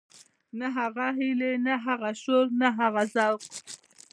نه هغه هيلې نه هغه شور نه هغه ذوق.